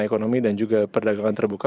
ekonomi dan juga perdagangan terbuka